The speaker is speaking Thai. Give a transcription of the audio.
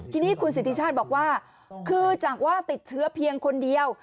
ทีนี้คุณสิทธิชาติบอกว่าคือจากว่าติดเชื้อเพียงคนเดียว